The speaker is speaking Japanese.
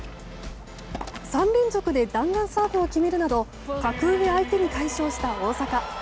３連続で弾丸サーブを決めるなど格上相手に快勝した大坂。